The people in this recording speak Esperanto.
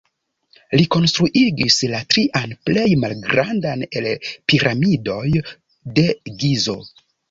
Li konstruigis la trian, plej malgrandan el la Piramidoj de Gizo.